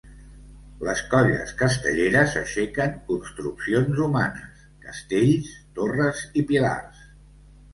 Les colles castelleres aixequen construccions humanes: castells, torres i pilars.